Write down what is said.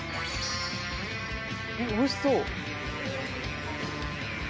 「おいしそう」